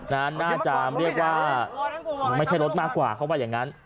น่าจะเรียกว่าไม่ใช่รถมากกว่าเขาว่าอย่างนั้น